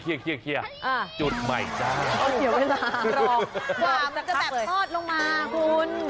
จุดใหม่จ้าเอาเกี่ยวเวลารอกว่ามันจะแบบทอดลงมาคุณ